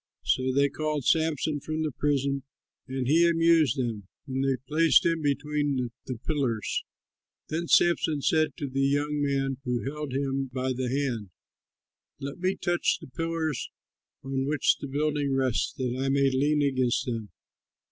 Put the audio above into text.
So they called Samson from the prison and he amused them; and they placed him between the pillars. Then Samson said to the young man who held him by the hand, "Let me touch the pillars on which the building rests, that I may lean against them."